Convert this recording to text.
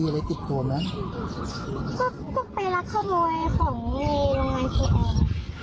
ก็ก็บางครั้งเขาก็ขมุดเลือนกับผู้เพื่อนบางครั้งก็ไม่ได้เรียนอังเศษ